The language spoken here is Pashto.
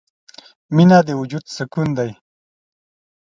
• مینه د وجود سکون دی.